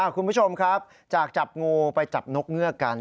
คุณผู้ชมครับจากจับงูไปจับนกเงือกกัน